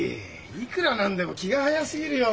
いくら何でも気が早すぎるよ。